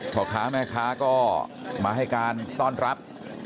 พ่อค้าแม่ค้าก็มาให้การต้อนรับ